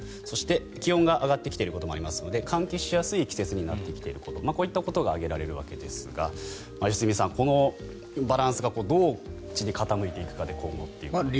そして気温が上がってきていることもありますので換気しやすい季節になってきていることこういったことが挙げられるわけですが良純さん、このバランスがどっちに傾いていくかですが。